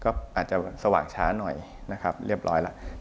ก็อาจจะสว่างช้าหน่อยนะครับเรียบร้อยแล้ว